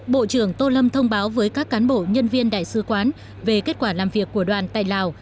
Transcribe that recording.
bộ trưởng tô lâm thông báo với các cán bộ nhân viên đại sứ quán về kết quả làm việc của đoàn tại lào